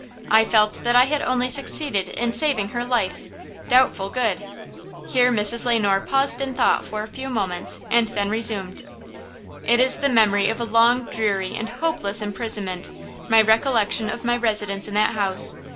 I felt that I had only succeeded in saving her life–doubtful good!" Here Mrs. Le Noir paused in thought for a few moments and then resumed. "It is the memory of a long, dreary and hopeless imprisonment, my recollection of my residence in that house!